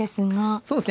そうですね。